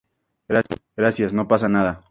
gracias. no pasa nada.